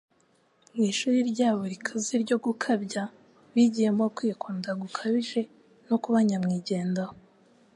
Mu ishuri ryabo rikaze ryo gukabya, bigiyemo kwikunda gukabije no kuba nyamwigendaho.